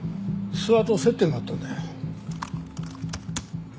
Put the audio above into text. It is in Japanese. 諏訪と接点があったんだよ。